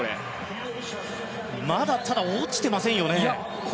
まだ、落ちてませんよね。